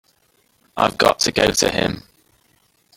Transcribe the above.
I've got to go to him.